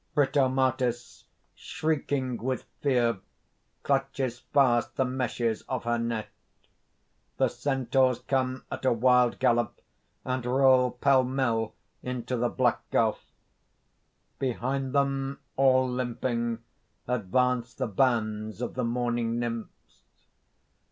_ BRITOMARTIS, _shrieking with fear, clutches fast the meshes of her net. The Centaurs come at a wild gallop, and roll pell mell into the black gulf._ _Behind them, all limping, advance the bands of the mourning Nymphs.